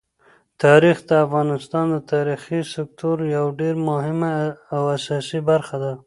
تاریخ د افغانستان د انرژۍ د سکتور یوه ډېره مهمه او اساسي برخه ده.